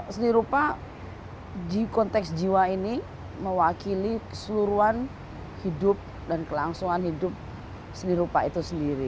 seni rupa di konteks jiwa ini mewakili keseluruhan hidup dan kelangsungan hidup seni rupa itu sendiri